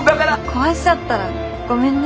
壊しちゃったらごめんね。